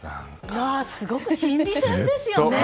すごく心理戦ですよね。